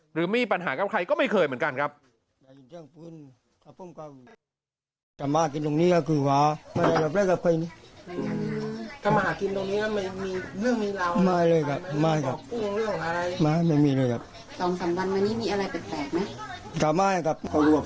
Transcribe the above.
หรือมีปัญหากับใครก็ไม่เคยเหมือนกันครับ